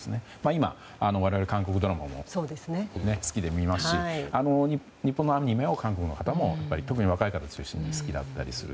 今、我々は韓国ドラマも好きで見ますし日本のアニメを韓国の方も特に若い方中心に好きだったりする。